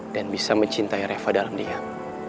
dan bisa mencintai reva dalam diam